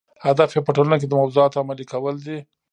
هدف یې په ټولنه کې د موضوعاتو عملي کول دي.